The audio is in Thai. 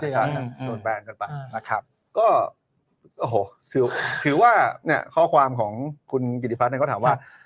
ใช่ครับโอ้โหถือว่าข้อความของคุณกิติฟัสก็ถามว่า